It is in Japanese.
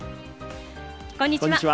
こんにちは。